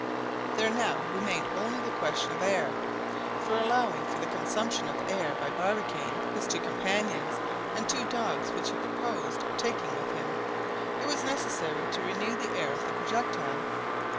There now remained only the question of air; for allowing for the consumption of air by Barbicane, his two companions, and two dogs which he proposed taking with him, it was necessary to renew the air of the projectile.